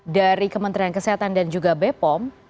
dari kementerian kesehatan dan juga bepom